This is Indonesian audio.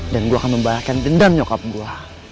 dan gue akan membahayakan dendam nyokap gue